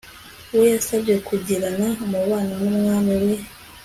we yasabye kugirana umubano n umwami w i